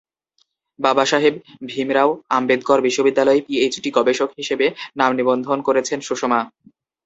বাবাসাহেব ভিমরাও আম্বেদকর বিশ্ববিদ্যালয়ে পিএইচডি গবেষক হিসেবে নাম নিবন্ধন করেছেন সুষমা।